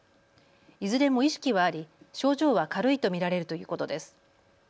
いずれも意識はあり、症状は軽いと見られるということです。